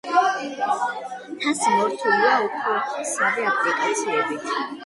თასი მორთულია ოქროსავე აპლიკაციებით.